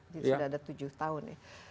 jadi sudah ada tujuh tahun ya